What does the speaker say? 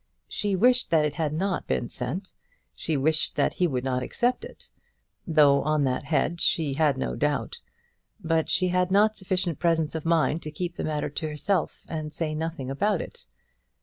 She wished that it had not been sent; she wished that he would not accept it, though on that head she had no doubt; but she had not sufficient presence of mind to keep the matter to herself and say nothing about it.